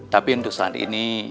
tapi untuk saat ini